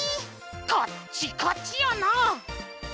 カッチカチやな！